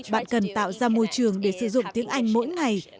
bạn cần tạo ra môi trường để sử dụng tiếng anh mỗi ngày